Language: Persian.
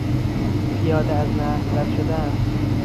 پیاده از نهر رد شدن